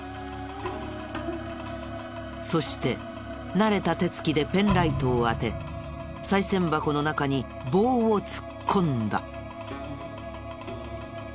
そして慣れた手つきでペンライトを当てさい銭箱の中に棒を突っ込んだ。